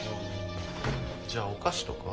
じゃあお菓子とか？